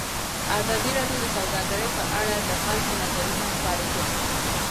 ازادي راډیو د سوداګري په اړه د خلکو نظرونه خپاره کړي.